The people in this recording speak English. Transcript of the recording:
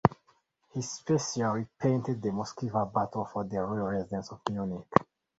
He specially painted the Moskva battle for the royal residence of Munich.